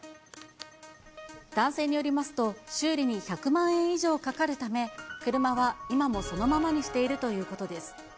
男性によりますと、修理に１００万円以上かかるため、車は今もそのままにしているということです。